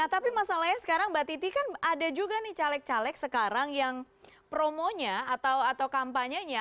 nah tapi masalahnya sekarang mbak titi kan ada juga nih caleg caleg sekarang yang promonya atau kampanyenya